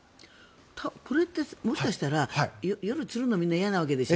これってもしかしたら夜につるのがみんな嫌なんでしょ？